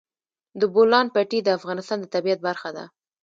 د بولان پټي د افغانستان د طبیعت برخه ده.